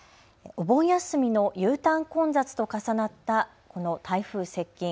お盆休みのＵターン混雑と重なったこの台風接近。